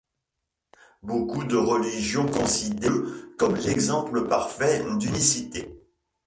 Beaucoup de religions considèrent Dieu comme l'exemple parfait d'unicité.